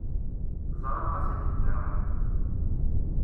Ẓran ɣas akken ddreɣlen.